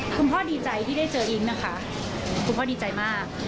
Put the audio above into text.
คุณพ่อดีใจที่ได้เจออิ๊งนะคะคุณพ่อดีใจมาก